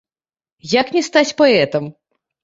Як не стаць паэтам?!